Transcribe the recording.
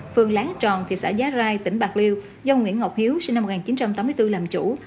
phường láng tròn thị xã giá rai tỉnh bạc liêu do nguyễn ngọc hiếu sinh năm một nghìn chín trăm tám mươi bốn làm chủ